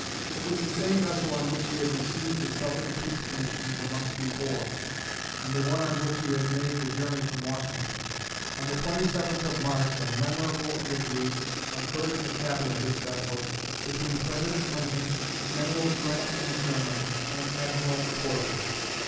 It was the same vessel on which he had received the Southern peace commissioners a month before, and the one on which he had made the journey from Washington. On the 27th of March a memorable interview occurred in the cabin of this vessel, between President Lincoln, Generals Grant and Sherman, and Admiral Porter.